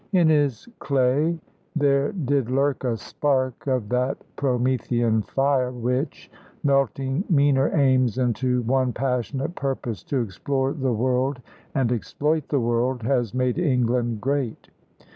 In his clay there did lurk a spark of that Promethean fire which, melting meaner aims into one passionate purpose to explore the world and exploit the world, has made England great.